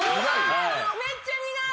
めっちゃ苦い。